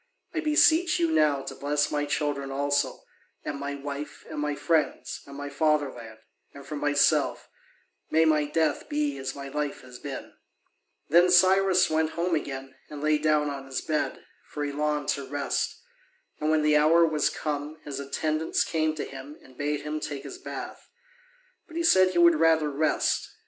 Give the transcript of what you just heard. I beseech you now to bless my children also, and my wife, and my friends, and my fatherland; and for myself, may my death be as my life has been." Then Cyrus went home again and lay down on his bed, for he longed to rest. And when the hour was come, his attendants came to him and bade him take his bath. But he said he would rather rest.